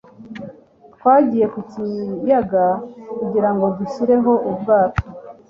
Twagiye ku kiyaga kugira ngo dushyireho ubwato.